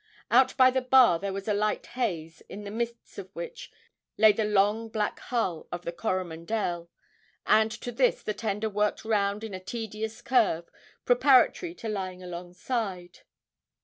Out by the bar there was a light haze, in the midst of which lay the long black hull of the 'Coromandel,' and to this the tender worked round in a tedious curve preparatory to lying alongside.